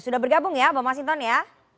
sudah bergabung ya bang masinton ya